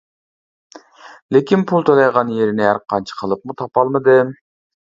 لېكىن پۇل تۆلەيدىغان يېرىنى ھەرقانچە قىلىپمۇ تاپالمىدىم.